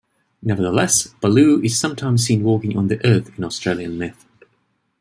Nevertheless, Bahloo is sometimes seen walking on the earth in Australian myth.